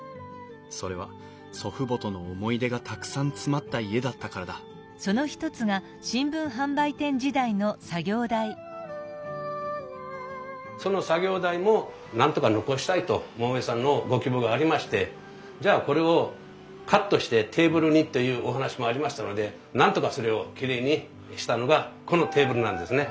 それは祖父母との思い出がたくさん詰まった家だったからだその作業台もなんとか残したいと桃井さんのご希望がありましてじゃあこれをカットしてテーブルにというお話もありましたのでなんとかそれをきれいにしたのがこのテーブルなんですね。